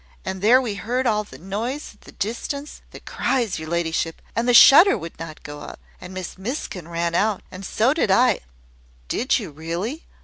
And there we heard the noise at a distance the cries, your ladyship and the shutter would not go up! And Miss Miskin ran out, and so did I " "Did you really?